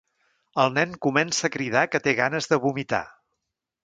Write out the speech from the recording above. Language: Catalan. El nen comença a cridar que té ganes de vomitar.